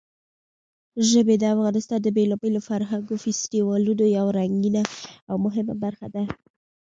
ژبې د افغانستان د بېلابېلو فرهنګي فستیوالونو یوه رنګینه او مهمه برخه ده.